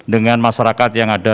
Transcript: dengan masyarakat yang ada